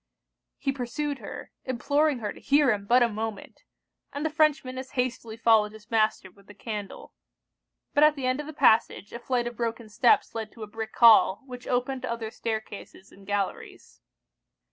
He pursued her, imploring her to hear him but a moment; and the Frenchman as hastily followed his master with the candle. But at the end of the passage, a flight of broken steps led to a brick hall, which opened to other stair cases and galleries.